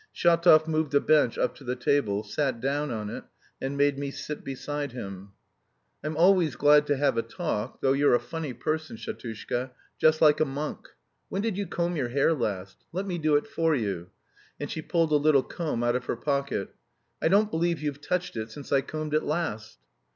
Shatov moved a bench up to the table, sat down on it and made me sit beside him. "I'm always glad to have a talk, though you're a funny person, Shatushka, just like a monk. When did you comb your hair last? Let me do it for you." And she pulled a little comb out of her pocket. "I don't believe you've touched it since I combed it last."